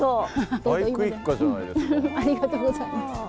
ありがとうございます。